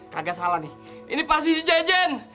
kagak salah nih ini pasti si jajan